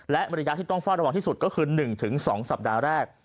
และระยะที่ต้องเฝ้าระวังที่สุดก็คือ๑๒สัปดาห์แรก